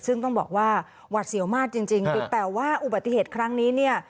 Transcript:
ซึ่งต้องบอกว่าหวัดเสียวมากจริงแต่ว่าอุบัติเหตุครั้งนี้เนี่ย